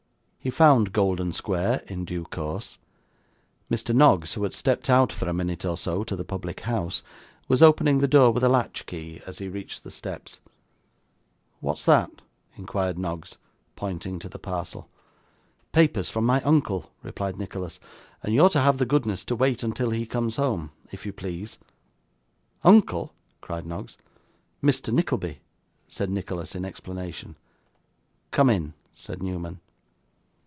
He found Golden Square in due course; Mr. Noggs, who had stepped out for a minute or so to the public house, was opening the door with a latch key, as he reached the steps. 'What's that?' inquired Noggs, pointing to the parcel. 'Papers from my uncle,' replied Nicholas; 'and you're to have the goodness to wait till he comes home, if you please.' 'Uncle!' cried Noggs. 'Mr. Nickleby,' said Nicholas in explanation. 'Come in,' said Newman.